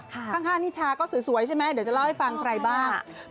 ข้างนิชาก็สวยใช่ไหมเดี๋ยวจะเล่าให้ฟังใครบ้าง